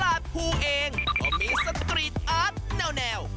ภูเองก็มีสตรีทอาร์ตแนว